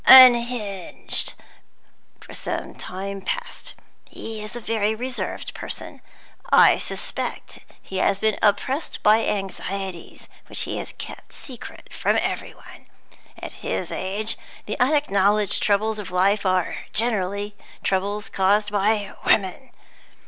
unhinged, for some time past. He is a very reserved person. I suspect he has been oppressed by anxieties which he has kept secret from every one. At his age, the unacknowledged troubles of life are generally troubles caused by women.